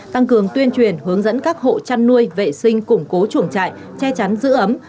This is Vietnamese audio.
tăng cường tuyên truyền hướng dẫn các hộ chăn nuôi vệ sinh củng cố chuồng trại che chắn giữ ấm